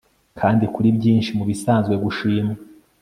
Kandi kuri byinshi mubisanzwe gushimwa